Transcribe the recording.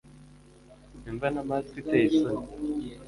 imva na mask iteye isoni